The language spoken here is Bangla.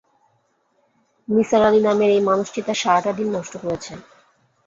নিসার আলি নামের এই মানুষটি তাঁর সারাটা দিন নষ্ট করেছে।